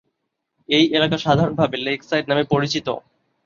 এই এলাকা সাধারণভাবে লেক-সাইড নামে পরিচিত।